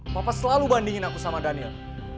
papa selalu bandingin aku sama daniel